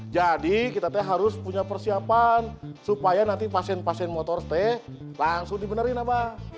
jadi kita harus punya persiapan supaya nanti pasien pasien motor langsung dibenerin mbah